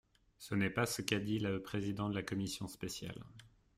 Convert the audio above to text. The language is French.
Ce n’est pas ce qu’a dit le président de la commission spéciale.